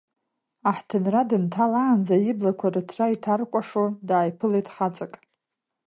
Аҳҭынра дынҭалаанӡа, иблақәа рыҭра иҭаркәашо, дааиԥылеит хаҵак.